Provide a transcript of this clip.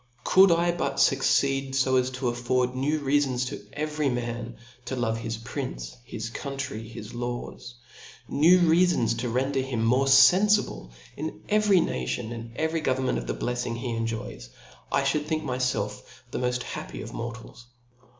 Could I but facceedfo as to afford new rea^ fons to every man to love his prince, his cpun^ try, his laws :s new reafons to render him more fenfible in every nation ai^d 'govern* ment of the blciSnga he. enjoys,* 1 fhould think myfelf the moft happy of mortals.